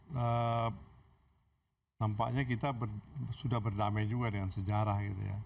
dan nampaknya kita sudah berdamai juga dengan sejarah